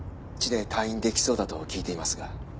４５日で退院出来そうだと聞いていますが。